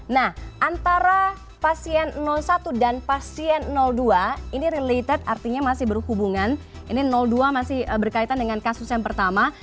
nah antara pasien satu dan pasien dua ini related artinya masih berhubungan ini dua masih berkaitan dengan kasus yang pertama